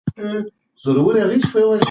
موږ باید د تاریخي تېروتنو مخه ونیسو.